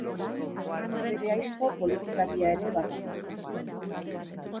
Ana bere ahizpa politikaria ere bada.